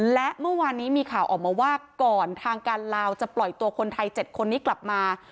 และเมื่อวานนี้มีข่าวออกมาว่าก่อนทางการลาวจะปล่อยตัวคนไทย๗คนนี้กลับมา